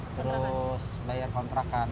terus bayar kontrakan